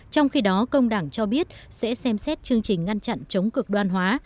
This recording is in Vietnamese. trong khi đó công đảng cho biết sẽ xem xét chương trình ngăn chặn chống cực đoan hóa